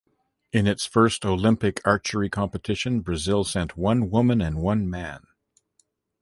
In its first Olympic archery competition, Brazil sent one woman and one man.